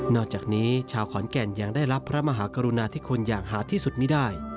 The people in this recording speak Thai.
อกจากนี้ชาวขอนแก่นยังได้รับพระมหากรุณาธิคุณอย่างหาที่สุดไม่ได้